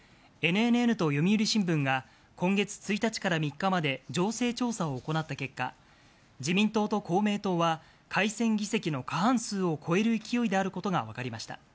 ＮＮＮと読売新聞が、今月１日から３日まで情勢調査を行った結果、自民党と公明党は改選議席の過半数を超える勢いであることが分かりました。